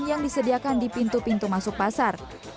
yang disediakan di pintu pintu masuk pasar